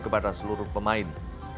kepada seluruh pemain